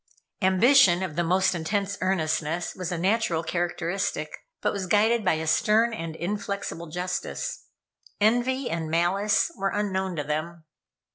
Ambition of the most intense earnestness was a natural characteristic, but was guided by a stern and inflexible justice. Envy and malice were unknown to them.